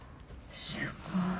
すごい。